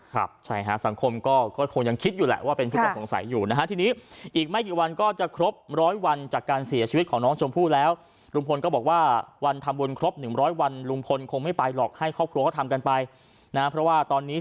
ครับใช่ฮะสังคมก็คงยังคิดอยู่แหละว่าเป็นผู้ต้องสงสัยอยู่นะฮะ